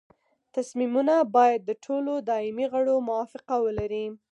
تصمیمونه باید د ټولو دایمي غړو موافقه ولري.